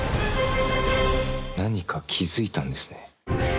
「何か気付いたんですね」